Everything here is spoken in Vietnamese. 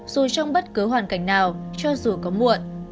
dù trong bất cứ hoàn cảnh nào cho dù có muộn